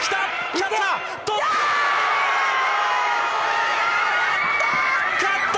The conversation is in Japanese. やった！